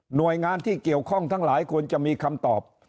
หน่วยงานที่เกี่ยวข้องทั้งหลายควรจะมีคำตอบ